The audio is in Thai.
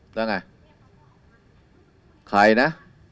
ก็ไงใครนะ